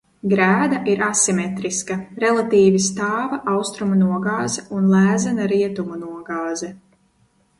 Grēda ir asimetriska – relatīvi stāva austrumu nogāze un lēzena rietumu nogāze.